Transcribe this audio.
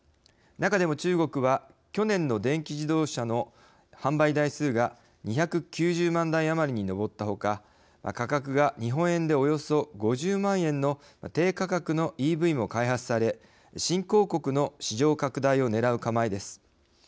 中でも中国は去年の電気自動車の販売台数が２９０万台余りに上ったほか価格が日本円でおよそ５０万円の低価格のＥＶも開発され新興国の市場拡大をねらう構えです。